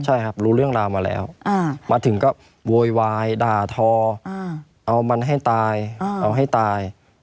ใช่ครับรู้เรื่องราวมาแล้วมาถึงก็โวยวายด่าทอเอามันให้ตายเอาให้ตาย